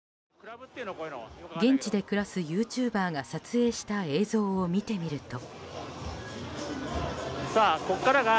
現地で暮らすユーチューバーが撮影した映像を見てみると。